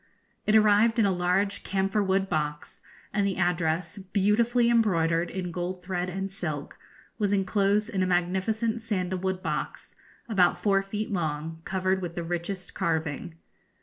It arrived in a large camphor wood box, and the address, beautifully embroidered in gold thread and silk, was enclosed in a magnificent sandal wood box about four feet long, covered with the richest carving.